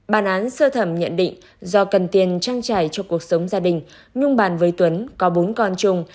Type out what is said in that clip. bản án sơ thẩm nhận định do cần tiền trang trải cho cuộc sống gia đình nhung bàn với tuấn có bốn con chung